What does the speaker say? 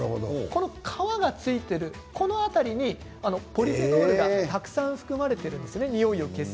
この皮が付いている、この辺りポリフェノールがたくさん含まれているんですにおいを消す。